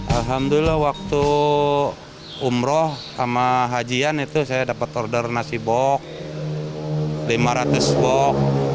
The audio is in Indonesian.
alhamdulillah waktu umroh sama hajian itu saya dapat order nasi bok lima ratus bok